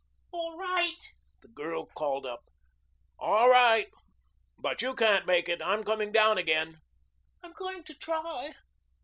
"All right?" the girl called up. "All right. But you can't make it. I'm coming down again." "I'm going to try."